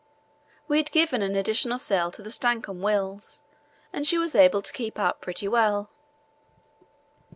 We had given an additional sail to the Stancomb Wills and she was able to keep up pretty well.